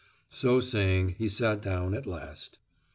So saying he sat down at last.